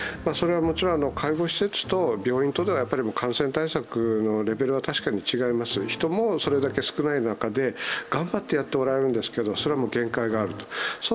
それはもちろん介護施設と病院とでは感染対策のレベルは確かに違います、人もそれだけ少ない中で頑張ってやっておられるんですがそれも限界がある。